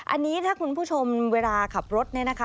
อันนี้ถ้าคุณผู้ชมเวลาขับรถเนี่ยนะคะ